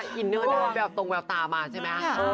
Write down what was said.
โอ้ยอินเนิ่ลนะแบบตรงแบบตาม่าใช่ไหม